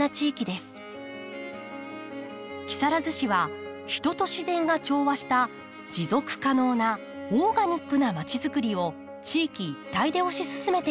木更津市は人と自然が調和した持続可能な「オーガニックなまちづくり」を地域一体で推し進めています。